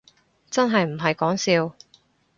真係唔係講笑